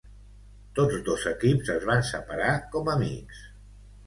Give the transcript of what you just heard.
Tots dos equips es van separar com amics.